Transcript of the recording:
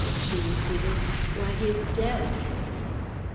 she repeated. "Why, he is dead."